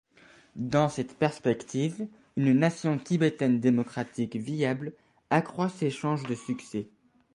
Dans cette perspective, une nation tibétaine démocratique viable accroît ses chances de succès.